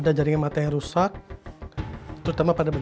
citra mau mau ambilkan suntik penenang